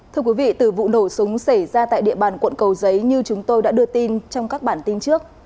thưa quý vị từ vụ nổ súng xảy ra tại địa bàn quận cầu giấy như chúng tôi đã đưa tin trong các bản tin trước